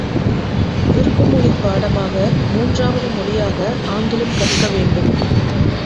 விருப்பமொழிப் பாடமாக மூன்றாவது மொழியாக ஆங்கிலம் கற்க வேண்டும்.